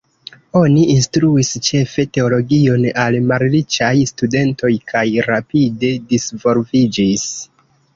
Oni instruis ĉefe teologion al malriĉaj studentoj, kaj rapide disvolviĝis.